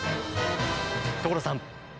所さん！